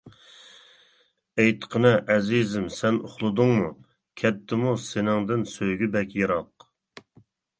ئېيتقىنە ئەزىزىم سەن ئۇخلىدىڭمۇ؟ كەتتىمۇ سېنىڭدىن سۆيگۈ بەك يىراق.